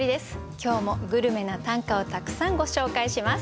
今日もグルメな短歌をたくさんご紹介します。